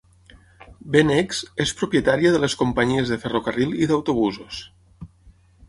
BeNex és propietària de les companyies de ferrocarril i d'autobusos.